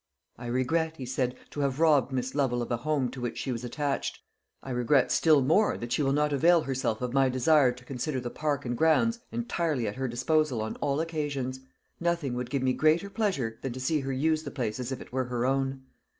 "I regret," he said, "to have robbed Miss Lovel of a home to which she was attached. I regret still more that she will not avail herself of my desire to consider the park and grounds entirely at her disposal on all occasions. Nothing would give me greater pleasure than to see her use the place as if it were her own."